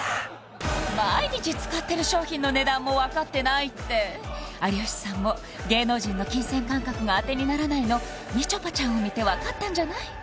毎日使ってる商品の値段も分かってないって有吉さんも芸能人の金銭感覚が当てにならないのみちょぱちゃんを見て分かったんじゃない？